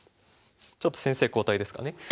ちょっと先生交代ですかね。